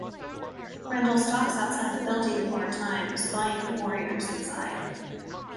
Grendel stalks outside the building for a time, spying the warriors inside.